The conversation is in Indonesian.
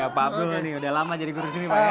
ya pak abdulnya nih udah lama jadi guru sini pak ya